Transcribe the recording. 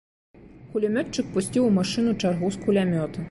Кулямётчык пусціў у машыну чаргу з кулямёта.